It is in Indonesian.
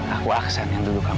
aku aksan yang duduk kamu